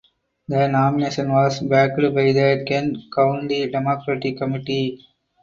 The nomination was backed by the Kent County Democratic Committee.